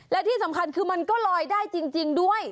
และที่สำคัญคือมันก็ลอยได้จริงด้วย